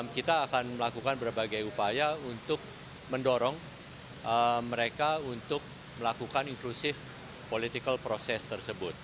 kita akan melakukan berbagai upaya untuk mendorong mereka untuk melakukan inklusive political process tersebut